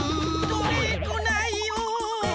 とれっこないよ。